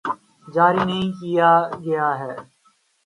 جاری نہیں کیا گیا ہے